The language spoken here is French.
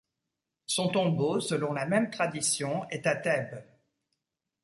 Son tombeau, selon la même tradition, est à Thèbes.